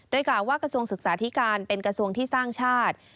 โดยกล่าวว่ากระทรวงศึกษาธิการเป็นกระทรวงที่สร้างชาติ